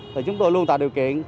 thì chúng tôi luôn tạo điều kiện